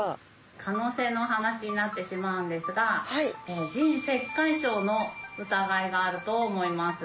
可能性の話になってしまうんですが腎石灰症の疑いがあると思います。